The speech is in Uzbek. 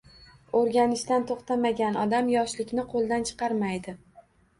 O’rganishdan to’xtamagan odam yoshlikni qo’ldan chiqarmaydi.